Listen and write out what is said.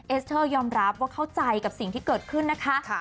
เอสเตอร์ยอมรับว่าเข้าใจกับสิ่งที่เกิดขึ้นนะคะ